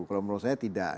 kalau menurut saya tidak